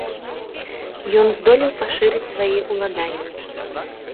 Ён здолеў пашырыць свае ўладанні.